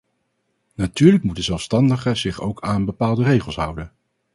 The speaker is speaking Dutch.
Natuurlijk moet de zelfstandige zich ook aan bepaalde regels houden.